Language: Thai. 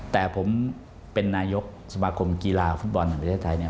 แต่ผมเป็นนายกสมาคมกีฬาฟุตบอลแห่งประเทศไทยเนี่ย